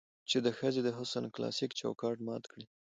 چې د ښځې د حسن کلاسيک چوکاټ مات کړي